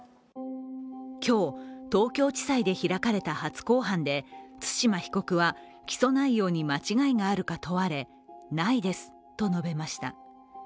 今日、東京地裁で開かれた初公判で、対馬被告は起訴内容に間違いがあるか問われないですと述べました。